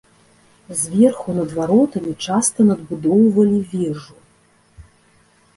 Зверху над варотамі часта надбудоўвалі вежу.